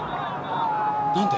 なんで？